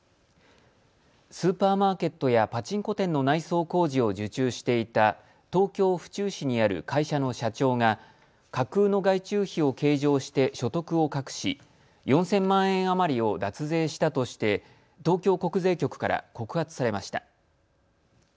スーパーマーケットやパチンコ店の内装工事を受注していた東京府中市にある会社の社長が架空の外注費を計上して所得を隠し４０００万円余りを脱税したとして東京国税局から告発されました。